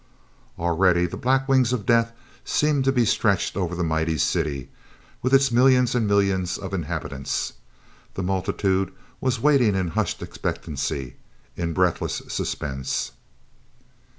Already the black wings of Death seemed to be stretched over the mighty city, with its millions and millions of inhabitants. The multitude was waiting in hushed expectancy, in breathless suspense.